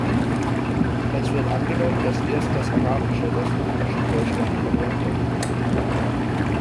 Es wird angenommen, dass erst das Arabische das Punische vollständig verdrängte.